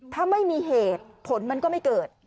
ถ้าไม่มีเหตุผลมันก็ไม่เกิด